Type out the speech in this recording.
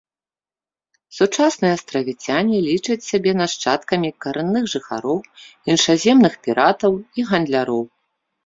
Сучасныя астравіцяне лічаць сябе нашчадкамі карэнных жыхароў, іншаземных піратаў і гандляроў.